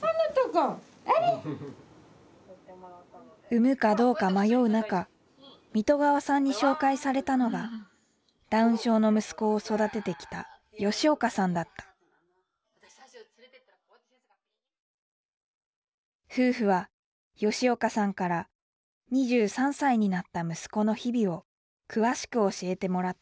生むかどうか迷う中水戸川さんに紹介されたのがダウン症の息子を育ててきた夫婦は吉岡さんから２３歳になった息子の日々を詳しく教えてもらった